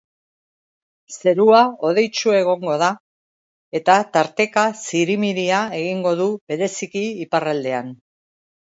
Zerua hodeitsu egongo da eta tarteka zirimiria egingo du, bereziki iparraldean.